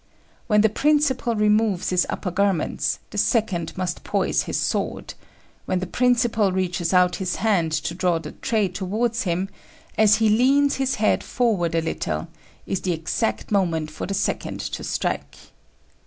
When the principal removes his upper garments, the second must poise his sword: when the principal reaches out his hand to draw the tray towards him, as he leans his head forward a little, is the exact moment for the second to strike.